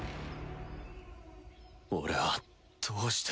俺はどうして。